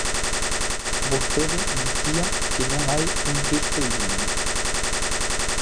Vostede dicía que non hai un triste biombo.